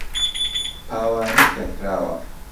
پاوانەی تێ کراوە